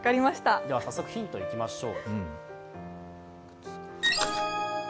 早速ヒントいきましょう。